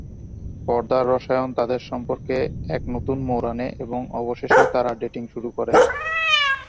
পর্দার রসায়ন তাঁদের সম্পর্কে এক নতুন মোড় আনে এবং অবশেষে তাঁরা ডেটিং শুরু করেন।